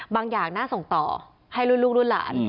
บางอย่างน่าส่งต่อให้ลูกลูกหลาน